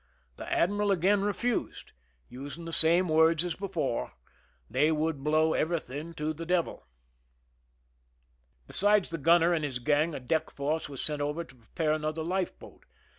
The admiral again refused, using the same words as before: "They would blow everything to the devil." 72 ) THE EUN IN / Besides the gunner and his gang a deck force i was sent over to prepare another life boat.